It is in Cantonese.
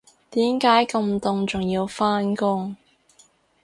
點解咁凍仲要返工